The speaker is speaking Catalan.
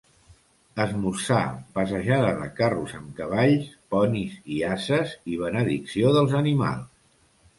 Esmorzar, passejada de carros amb cavalls, ponis i ases i benedicció dels animals.